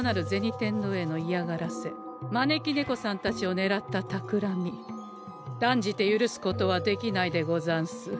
天堂へのいやがらせ招き猫さんたちをねらったたくらみ断じて許すことはできないでござんす。